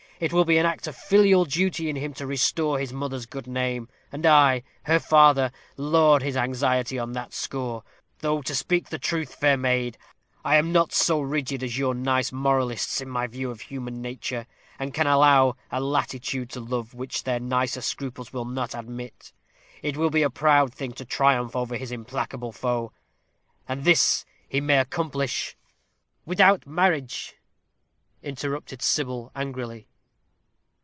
It will be an act of filial duty in him to restore his mother's good name; and I, her father, laud his anxiety on that score; though, to speak truth, fair maid, I am not so rigid as your nice moralists in my view of human nature, and can allow a latitude to love which their nicer scruples will not admit. It will be a proud thing to triumph over his implacable foe; and this he may accomplish " "Without marriage," interrupted Sybil, angrily.